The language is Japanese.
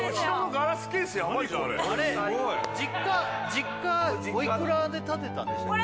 実家おいくらで建てたんでしたっけ？